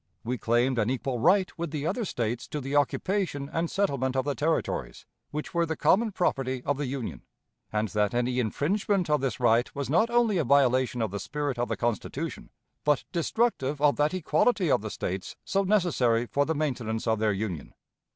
We claimed an equal right with the other States to the occupation and settlement of the Territories which were the common property of the Union; and that any infringement of this right was not only a violation of the spirit of the Constitution, but destructive of that equality of the States so necessary for the maintenance of their Union.